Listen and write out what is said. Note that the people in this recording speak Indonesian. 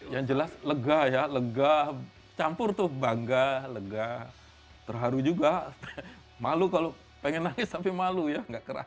yang jelas lega ya lega campur tuh bangga lega terharu juga malu kalau pengen nangis tapi malu ya nggak keras